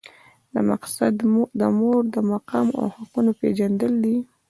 مقصد د مور د مقام او حقونو پېژندل دي.